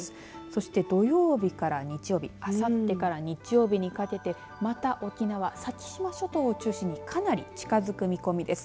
そして土曜日から日曜日あさってから日曜日にかけてまた沖縄、先島諸島を中心にかなり近づく見込みです。